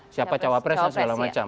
siapa cawapres dan segala macam